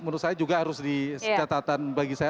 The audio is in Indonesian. menurut saya juga harus dikatakan